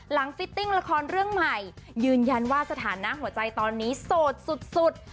ฟิตติ้งละครเรื่องใหม่ยืนยันว่าสถานะหัวใจตอนนี้โสดสุด